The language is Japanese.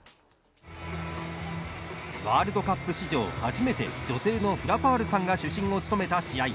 ワールドカップ史上初めて女性のフラパールさんが主審を務めた試合。